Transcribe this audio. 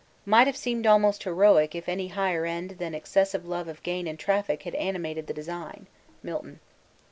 'Might have seemed almost heroic if any higher end than excessive love of gain and traffic had animated the design.' MILTON.